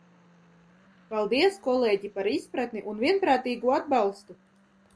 Paldies, kolēģi, par izpratni un vienprātīgo atbalstu!